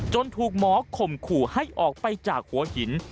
ถูกหมอข่มขู่ให้ออกไปจากหัวหิน